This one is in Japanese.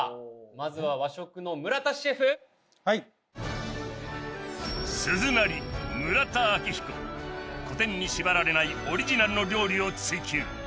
まずは和食の村田シェフはい古典に縛られないオリジナルの料理を追求